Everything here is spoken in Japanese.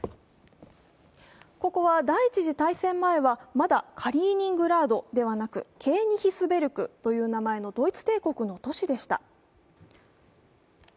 ここは第一次大戦前はまだカリーニングラードではなく、ケーニヒスベルクというドイツ帝国の都市でした。